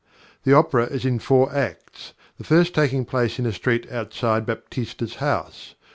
The opera is in four acts, the first taking place in a street outside Baptista's house.